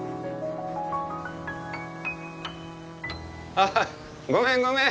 あごめんごめん。